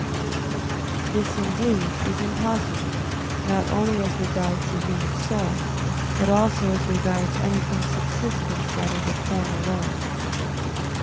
_ This, indeed, is impossible, not only as regards the human soul, but also as regards anything subsistent that is a form alone.